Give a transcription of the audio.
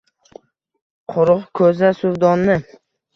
Quruq ko’za — suvdonni